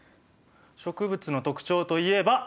植物の特徴といえば。